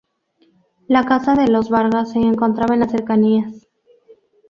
La casa de los Vargas se encontraba en las cercanías.